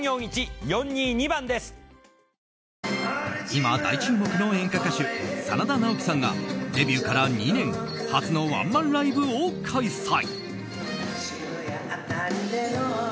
今、大注目の演歌歌手真田ナオキさんがデビューから２年初のワンマンライブを開催。